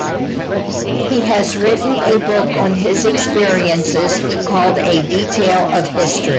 He has written a book on his experiences called "A Detail of History".